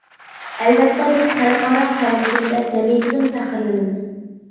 ئەلۋەتتە بىز خەلقئارا قەلەمكەشلەر جەمئىيىتىدىن پەخىرلىنىمىز.